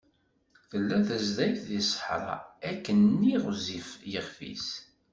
Tella tezdayt di sseḥra, akken‑nni γezzif yixef-is.